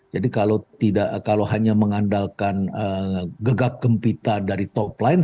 jadi kalau hanya mengandalkan gegap kempita dari top line